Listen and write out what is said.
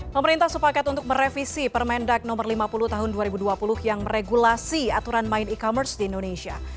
pemerintah sepakat untuk merevisi permendag no lima puluh tahun dua ribu dua puluh yang meregulasi aturan main e commerce di indonesia